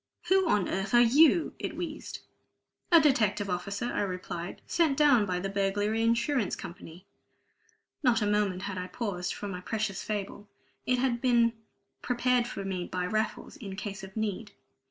"Who on earth are you?" it wheezed. "A detective officer," I replied, "sent down by the Burglary Insurance Company." Not a moment had I paused for my precious fable. It had all been prepared for me by Raffles, in case of need.